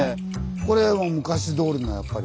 これも昔どおりのやっぱり。